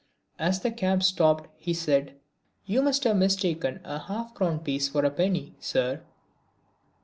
As the cab stopped he said: "You must have mistaken a half crown piece for a penny, Sir!"